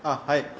はい。